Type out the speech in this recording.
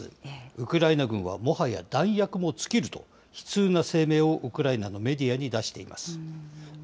ウクライナ軍はもはや弾薬も尽きると、悲痛な声明をウクライナのメディアに出しています。